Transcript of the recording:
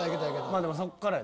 まぁでもそっからやで。